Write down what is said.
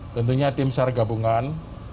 tentunya tim sar gabungan